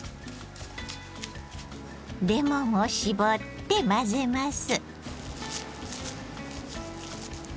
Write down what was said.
レモンを搾って混ぜます。